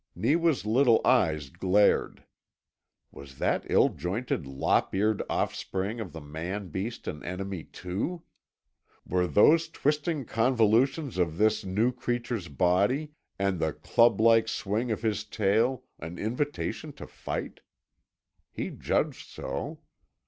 Neewa's little eyes glared. Was that ill jointed lop eared offspring of the man beast an enemy, too? Were those twisting convolutions of this new creature's body and the club like swing of his tail an invitation to fight? He judged so.